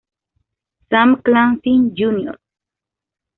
Sam Clancy Jr.